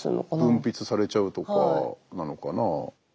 分泌されちゃうとかなのかな？